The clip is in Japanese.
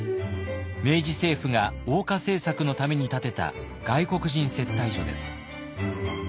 明治政府が欧化政策のために建てた外国人接待所です。